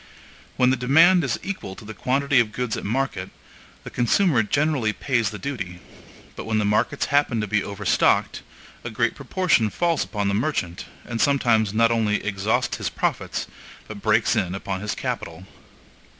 When the demand is equal to the quantity of goods at market, the consumer generally pays the duty; but when the markets happen to be overstocked, a great proportion falls upon the merchant, and sometimes not only exhausts his profits, but breaks in upon his capital.